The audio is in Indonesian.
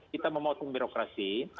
kita memotong birokrasi